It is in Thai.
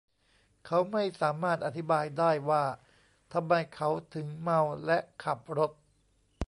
เขาไม่สามารถอธิบายได้ว่าทำไมเขาถึงเมาและขับรถ